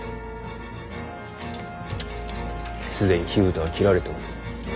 既に火蓋は切られておる。